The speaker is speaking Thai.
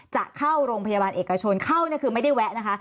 จะเข้าโรงพยาบาลเอกชนเข้าเนี่ยคือไม่ได้แวะนะคะ